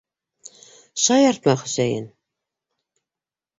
Шаяртма, Хөсәйен!